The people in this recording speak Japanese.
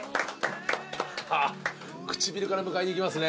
唇から迎えに行きますね。